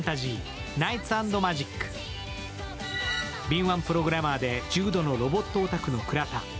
敏腕プログラマーで重度のロボットオタクの倉田。